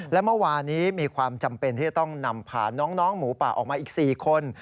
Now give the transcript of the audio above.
และเมื่อวานี้มีความจำเป็นที่จะต้องนำผ่านน้องหมูป่าออกมาอีก๔คน